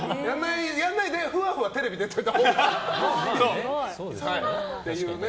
やらないで、ふわふわテレビ出てたほうがっていうね。